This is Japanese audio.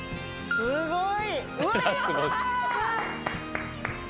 すごい！